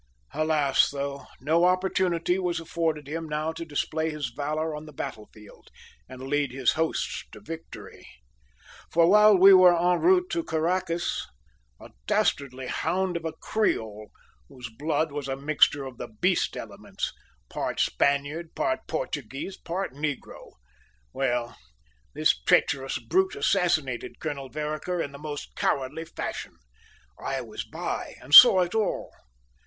Alas! though, no opportunity was afforded him now to display his valour on the battlefield and lead his hosts to victory; for while we were en route for Caracas, a dastardly hound of a creole, whose blood was a mixture of the beast elements part Spaniard, part Portuguese, part negro well, this treacherous brute assassinated Colonel Vereker in the most cowardly fashion. I was by and saw it all.